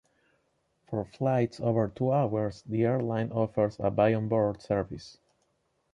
For flights over two hours the airline offers a buy on board service.